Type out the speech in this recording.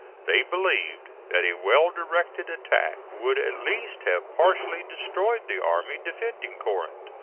They believed that a well directed attack would at least have partially destroyed the army defending Corinth.